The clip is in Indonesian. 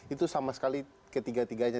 itu sama sekali ketiga tiganya